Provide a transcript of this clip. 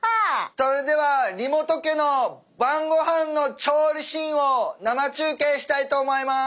それでは梨本家の晩ごはんの調理シーンを生中継したいと思います。